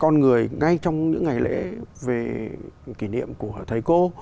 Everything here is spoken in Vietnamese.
con người ngay trong những ngày lễ về kỷ niệm của thầy cô